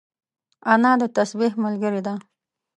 انا د تسبيح ملګرې ده